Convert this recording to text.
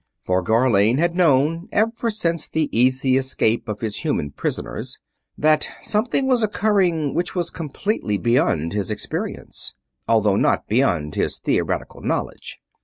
For Gharlane had known, ever since the easy escape of his human prisoners, that something was occurring which was completely beyond his experience, although not beyond his theoretical knowledge.